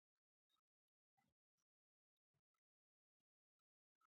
غوث الدين چيغې وهلې.